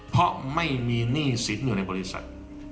เพราะไม่มีหนี้สินอยู่ในบริษัท